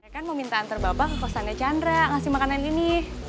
saya kan mau minta antar bapak ke kosannya chandra ngasih makanan ini